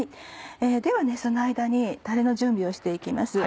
ではその間にたれの準備をしていきます。